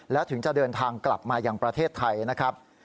แล้วถึงจะเดินทางกลับมาอย่างประเทศไทยนะครับ